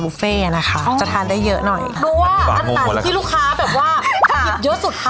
บุฟเฟต์อะนะคะอ๋อจะทานได้เยอะหน่อยดูว่าที่ลูกค้าแบบว่าเยอะสุดค่ะ